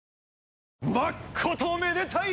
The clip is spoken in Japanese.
まっことめでたい！